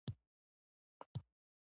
ستوري د اسمان زړه ته ښکلا ورکوي.